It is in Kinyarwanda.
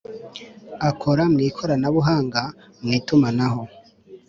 akora mw ikoranabuhanga mu itumanaho